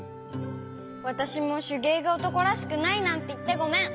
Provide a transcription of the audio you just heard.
わたしもしゅげいがおとこらしくないなんていってごめん！